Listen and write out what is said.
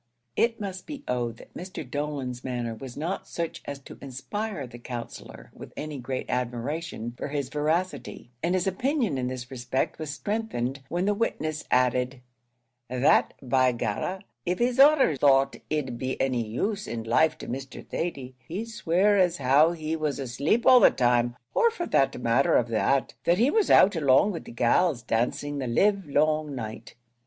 It must be owned that Mr. Dolan's manner was not such as to inspire the Counsellor with any great admiration for his veracity, and his opinion in this respect was strengthened when the witness added "that by Garra, av his honor thought it'd be any use in life to Mr. Thady, he'd swear as how he was asleep all the time; or for the matther of that, that he was out along wid de gals dancing the livelong night."